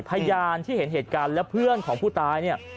พยานที่เห็นเหตุการณ์และเพื่อนของผู้ตายเนี่ย